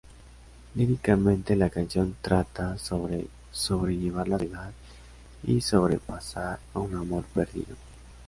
Líricamente, la canción trata sobre sobrellevar la soledad y sobrepasar a un amor perdido.